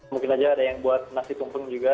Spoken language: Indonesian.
mungkin saja ada yang buat nasi tumpeng juga